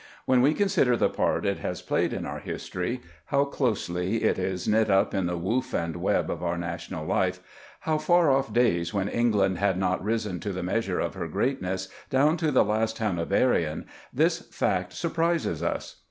When we consider the part it has played in our history, how closely it is knit up in the woof and web of our national life, from far off days when England had not risen to the measure of her greatness, down to the last Hanoverian, this fact surprises us.